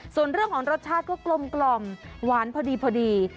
ส่วนเรื่องของรสชาติก็กลมกล่อมหวานพอดีพอดี